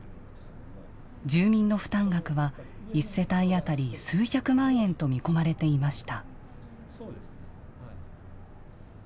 住民の負担額は１世帯当たり数百万円と見込まれていました。